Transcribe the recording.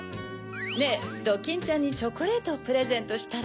ねぇドキンちゃんにチョコレートをプレゼントしたら？